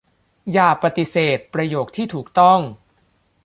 อย่าปฏิเสธประโยคที่ถูกต้อง